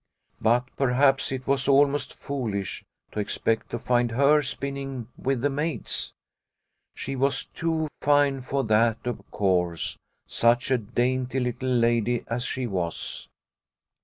But perhaps it was almost foolish to expect to find her spinning with the maids. She was too fine for that, of course, such a dainty little lady as she was.